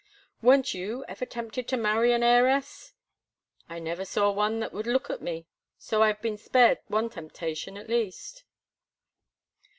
"Weren't you ever tempted to marry an heiress?" "I never saw one that would look at me, so I've been spared one temptation, at least."